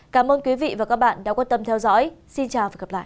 cảm ơn quý vị và các bạn đã quan tâm theo dõi xin chào và hẹn gặp lại